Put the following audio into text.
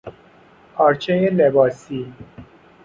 پارچهی لباسی